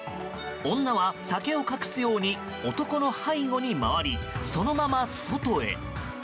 女は酒を隠すように男の背後に回りそのまま外へ。